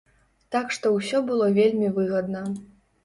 Так што ўсё было вельмі выгадна.